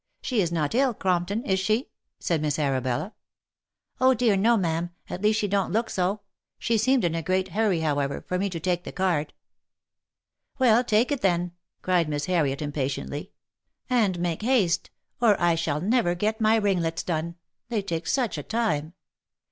She is not ill, Crompton, is she?" said Miss Arabella. " Oh ! dear no, ma'am — at least she don't look so. She seemed in a great hurry, however, for me to take the card." ''Well, take it then," cried Miss Harriet, impatiently, "and make haste, or I shall never get my ringlets done : they take such a time.